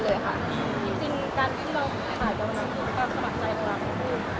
จริงจริงด้านที่เราถ่ายเกาะน้ำคุณก็สมัครใจเกาะน้ำคือ